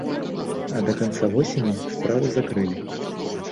А да канца восені справу закрылі.